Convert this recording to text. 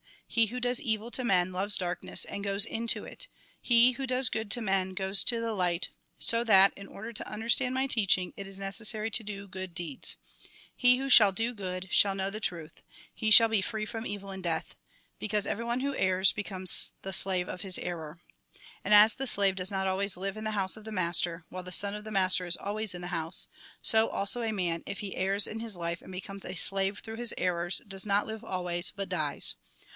He who does evil to men, loves darkness, and goes into it ; he who does good to men, goes to the light ; so that, in order to understand my teaching, it is necessary to d(j good deeds. He who shall do good, shall know the truth; he shall be free from evil and death. Be cause everyone who errs becomes the slave of his error. " And as the slave does not always live in the house of the master, while the sou of the master is always in the house, so also a man, if he errs in his life and becomes a slave through his errors, does not live always, but dies.